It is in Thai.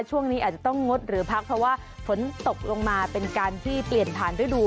ช่วงนี้อาจจะต้องงดหรือพักเพราะว่าฝนตกลงมาเป็นการที่เปลี่ยนผ่านฤดู